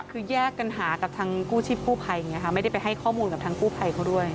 คือแยกกันหากับทางกู้ชีพกู้ภัยอย่างนี้ค่ะไม่ได้ไปให้ข้อมูลกับทางกู้ภัยเขาด้วย